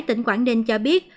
tỉnh quảng đình cho biết